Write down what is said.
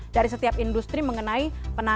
dari setiap industri mengenai